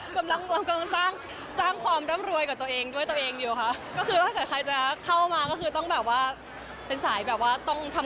กำลังกำลังกำลังสร้างสร้างความร่ำรวยกับตัวเองด้วยตัวเองดีกว่าค่ะ